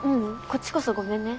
こっちこそごめんね。